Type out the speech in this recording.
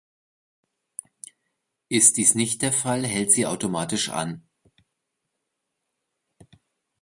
Ist dies nicht der Fall, hält sie automatisch an.